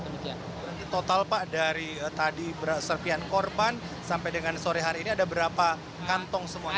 jadi total pak dari tadi serpihan korban sampai dengan sore hari ini ada berapa kantong semuanya